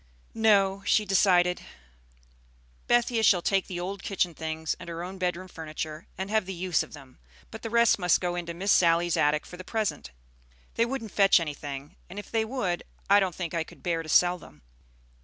"No," she decided. "Bethia shall take the old kitchen things and her own bedroom furniture, and have the use of them; but the rest must go into Miss Sally's attic for the present. They wouldn't fetch anything; and if they would, I don't think I could bear to sell them.